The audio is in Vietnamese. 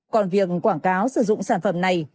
còn việc quảng cáo sử dụng sản phẩm này